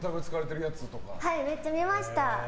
めっちゃ見ました。